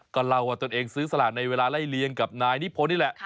ก็เล่าว่าตนเองซื้อสลากในเวลาไล่เลี้ยงกับนายนิพนธ์นี่แหละ